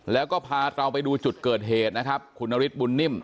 แล้วก็พาเราไปดูจุดเกิดเหตุนะครับคุณนฤทธบุญนิ่ม